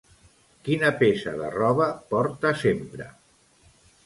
Quina peça de roba porta sempre?